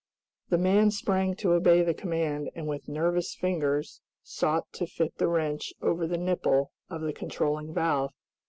The man sprang to obey the command, and, with nervous fingers, sought to fit the wrench over the nipple of the controlling valve.